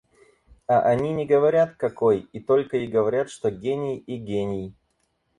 А они не говорят, какой, и только и говорят, что гений и гений.